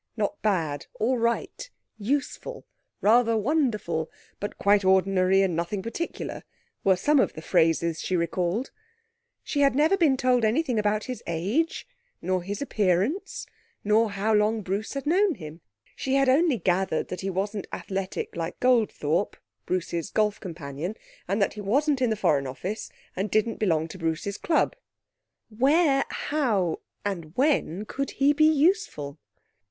Not bad, all right, useful, rather wonderful, but quite ordinary and nothing particular, were some of the phrases she recalled. She had never been told anything about his age, nor his appearance, nor how long Bruce had known him. She had only gathered that he wasn't athletic like Goldthorpe (Bruce's golf companion), and that he wasn't in the Foreign Office, and didn't belong to Bruce's club. Where, how, and when could he be useful?